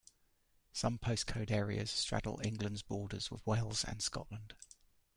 Some postcode areas straddle England's borders with Wales and Scotland.